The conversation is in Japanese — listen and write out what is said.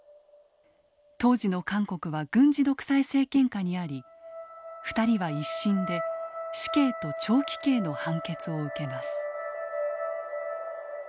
当時の韓国は軍事独裁政権下にあり２人は一審で死刑と長期刑の判決を受けます。